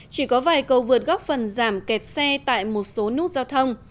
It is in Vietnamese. chỉ có vài cầu vượt góp phần giảm kẹt xe tại một số nút giao thông